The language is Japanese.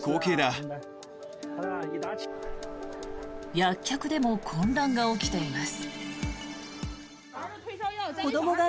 薬局でも混乱が起きています。